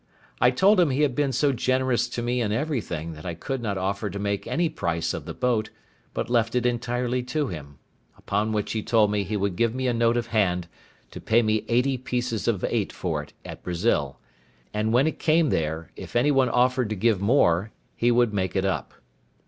I told him he had been so generous to me in everything that I could not offer to make any price of the boat, but left it entirely to him: upon which he told me he would give me a note of hand to pay me eighty pieces of eight for it at Brazil; and when it came there, if any one offered to give more, he would make it up.